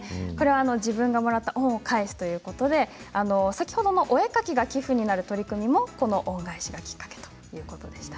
自分がもらった恩を返す先ほどのお絵かきが寄付になる取り組みも恩返しがきっかけだったということでした。